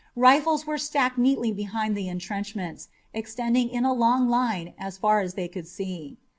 Rifles were stacked neatly behind the intrenchments, extending in a long line as far as they could see.